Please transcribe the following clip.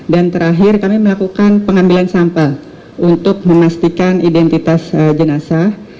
terakhir kami melakukan pengambilan sampel untuk memastikan identitas jenazah